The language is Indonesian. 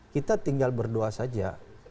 kita tinggal berdoa saja